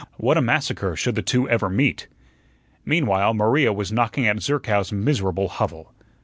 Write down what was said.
What a massacre should the two ever meet! Meanwhile, Maria was knocking at Zerkow's miserable hovel.